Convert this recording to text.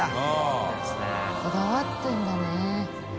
Δ鵝こだわってるんだね。